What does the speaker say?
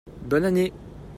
Bonne année !